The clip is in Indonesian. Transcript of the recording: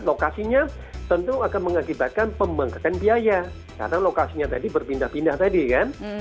lokasinya tentu akan mengakibatkan pembangkakan biaya karena lokasinya tadi berpindah pindah tadi kan